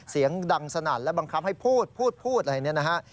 เสียงดังสนั่นและบังคับให้พูดพูดอะไรเนี่ยนะฮะ